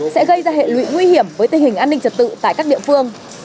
sẽ gây ra hệ lụy nguy hiểm với tình hình an ninh trật tự tại các địa phương